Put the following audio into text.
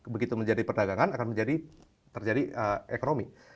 begitu menjadi perdagangan akan menjadi terjadi ekonomi